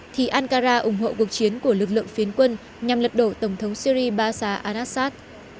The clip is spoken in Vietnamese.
thì ankara ủng hộ cuộc chiến của lực lượng phiến quân nhằm lật đổ tổng thống syri basa adssad